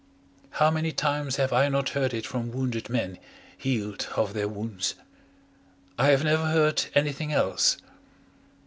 How many times have I not heard it from wounded men healed of their wounds? I have never heard anything else.